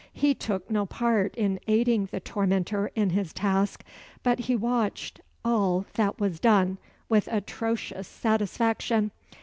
He took no part in aiding the tormentor in his task; but he watched all that was done with atrocious satisfaction.